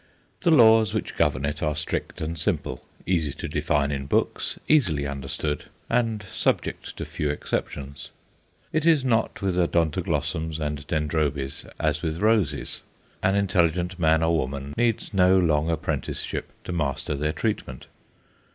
The laws which govern it are strict and simple, easy to define in books, easily understood, and subject to few exceptions. It is not with Odontoglossums and Dendrobes as with roses an intelligent man or woman needs no long apprenticeship to master their treatment.